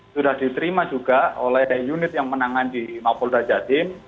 sudah diterima juga oleh unit yang menangan di mapolda jatim